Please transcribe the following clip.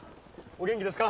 お元気ですか？